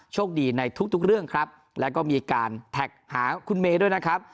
โชคดีในทุกทุกเรื่องครับแล้วก็มีการแท็กหาคุณเมย์ด้วยนะครับ